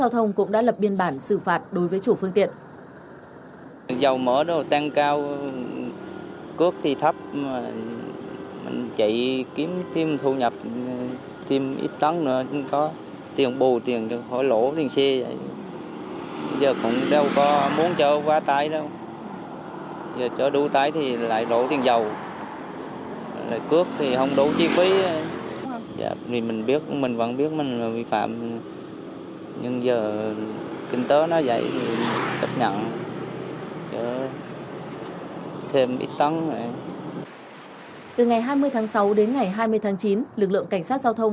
tổ công tác đã tiến hành lập biên bản xử phương tiện đồng thời yêu cầu tài xế hạ tải mới cho phương tiện tiếp tục lưu thông